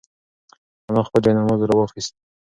انا خپل جاینماز راواخیست.